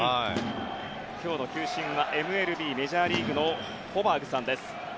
今日の球審はＭＬＢメジャーリーグのホバーグさんです。